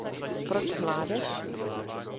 Proč mládež?